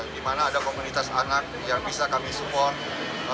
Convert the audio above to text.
di mana ada komunitas anak yang bisa kami support